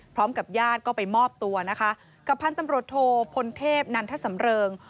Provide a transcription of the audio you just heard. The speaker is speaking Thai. พร้อมกับญาติก็ไปมอบตัวนะคะกับพันธุ์ตำรวจโทพลเทพนันทสำเริง